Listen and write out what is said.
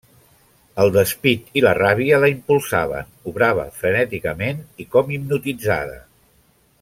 El despit i la ràbia la impulsaven; obrava frenèticament i com hipnotitzada.